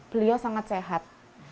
beliau sangat sehat